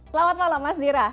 selamat malam mas dira